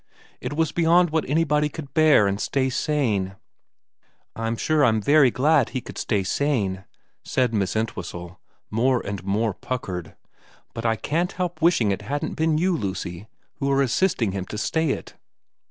It was beyond what anybody could bear and stay sane '' I'm sure I'm very glad he should stay sane,' said Miss Entwhistle, more and more puckered, ' but I can't help wishing it hadn't been you, Lucy, who are assisting him to stay it.'